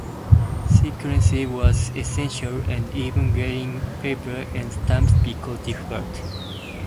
Secrecy was essential and even getting paper and stamps became difficult.